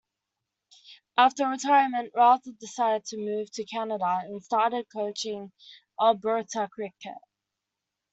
After retirement, Raza decided to move to Canada, and started coaching Alberta cricket.